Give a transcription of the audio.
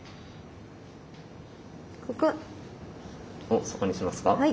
おっそこにしますか？